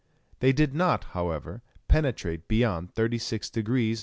They did not, however, penetrate beyond 36 degrees N.